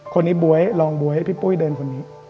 คนนี้บ๊วยลองบ๊วยให้พี่ปุ้ยเดินคนนี้